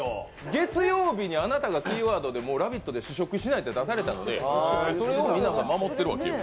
月曜日にあなたがキーワードで「ラヴィット！」で試食しないってそれを皆さん守ってるわけよ。